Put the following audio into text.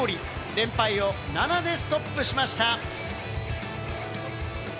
連敗を７でストップしました。